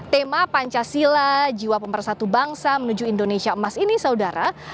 tema pancasila jiwa pemersatu bangsa menuju indonesia emas ini saudara